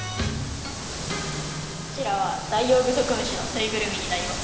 こちらはダイオウグソクムシのぬいぐるみになります。